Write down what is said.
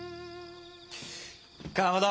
かまど！